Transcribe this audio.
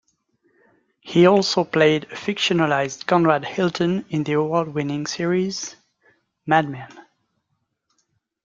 He also played a fictionalized Conrad Hilton in the award-winning series "Mad Men".